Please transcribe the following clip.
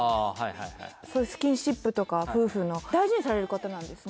はいはいそういうスキンシップとか夫婦の大事にされる方なんですね